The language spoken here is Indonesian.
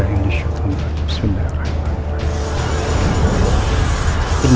kelihatannya aku yang harus mulai duluan